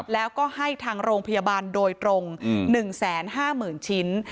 แล้วก็ให้ทางโรงพยาบาลโดยตรง๑๕๐๐๐ชิ้น